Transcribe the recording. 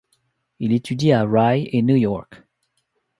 Il étudie à Rye et New York.